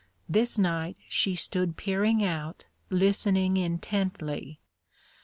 This night she stood peering out, listening intently.